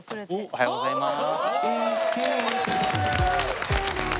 おはようございます。